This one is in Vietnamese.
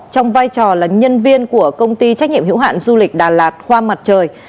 trong vai trò là nhân viên của công ty trách nhiệm hữu hạn du lịch đà lạt khoa mặt trời